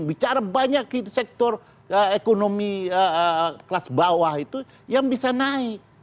bicara banyak sektor ekonomi kelas bawah itu yang bisa naik